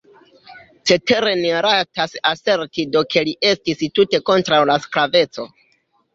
Cetere ni rajtas aserti do ke li estis tute kontraŭ la sklaveco.